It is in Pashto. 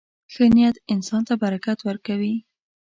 • ښه نیت انسان ته برکت ورکوي.